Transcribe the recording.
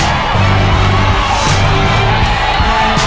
เพื่อชิงทุนต่อชีวิตสุด๑ล้านบาท